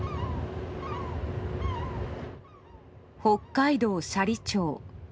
北海道斜里町。